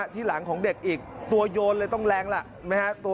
ที่หลังของเด็กอีกตัวโยนเลยต้องแรงล่ะ